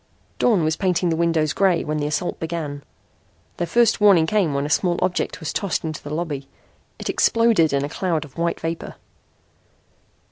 Dawn was painting the windows gray when the assault began. Their first warning came when a small object was tossed into the lobby. It exploded in a cloud of white vapor.